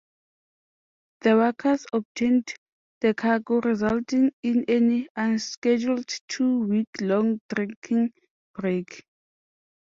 The workers obtained the cargo, resulting in an unscheduled two-week-long drinking break.